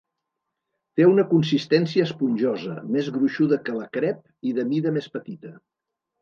Té una consistència esponjosa, més gruixuda que la crep, i de mida més petita.